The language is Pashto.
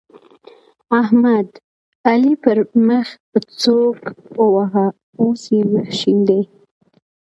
احمد؛ علي پر مخ په سوک وواهه ـ اوس يې مخ شين دی.